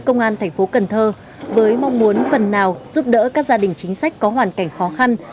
công an thành phố cần thơ với mong muốn phần nào giúp đỡ các gia đình chính sách có hoàn cảnh khó khăn